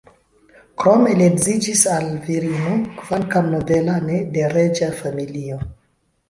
Krome li edziĝis al virino, kvankam nobela, ne de reĝa familio.